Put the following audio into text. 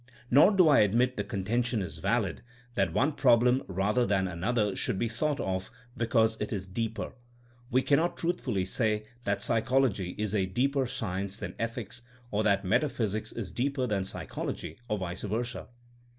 Nor do I admit the contention is valid that one problem rather than another should be thought of because it is *' deeper. '' We cannot truthfully say that psychology is a deeper'^ science than ethics, or that metaphysics is deeper than psychology, or vice versa.